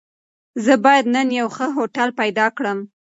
زه بايد نن يو ښه هوټل پيدا کړم.